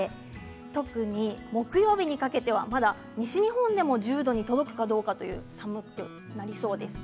特に木曜日にかけてはまだ西日本でも１０度に届くかどうかと寒くなりそうです。